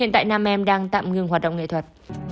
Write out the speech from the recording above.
bạn tạm ngừng hoạt động nghệ thuật